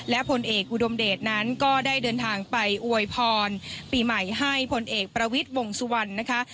และผลเอกอุดมเดชนั้นก็ได้เดินทางไปอวยพรปีใหม่ให้พลเอกประวิทย์วงสุวรรณนะคะ